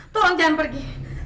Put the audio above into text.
tolong jangan pergi